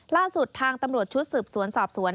ล่าสุดทางตำรวจชุดสืบสวนสอบสวน